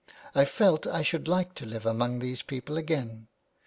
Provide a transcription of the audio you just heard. I felt I should like to live among these people again.